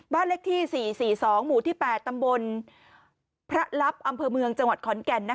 บ้านเลขที่๔๔๒หมู่ที่๘ตำบลพระลับอำเภอเมืองจังหวัดขอนแก่น